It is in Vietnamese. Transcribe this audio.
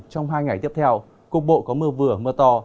trong hai ngày tiếp theo cục bộ có mưa vừa mưa to